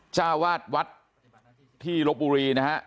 จ้าวาดวัดที่ลบบุรีนะฮะ